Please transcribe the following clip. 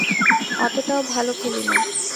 অতটাও ভালো খেলি না।